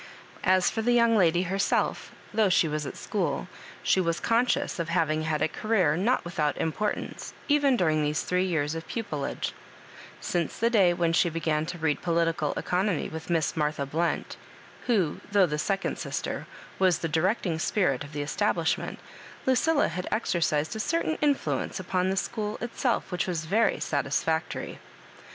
As for the young lady herself though she was at school, she was conscious of having had a career not without importance, even during these three years of pupilage^ Since the day when she began to read political economy with Miss Martha Blount, who, though the second sister, was the directing spirit of the establi^ment, Lu cilla had exercised a certain influence upon the school itself which was very satisfactory.